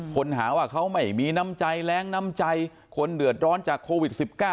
คนหาว่าเขาไม่มีน้ำใจแรงน้ำใจคนเดือดร้อนจากโควิด๑๙